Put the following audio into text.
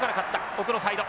奥のサイド。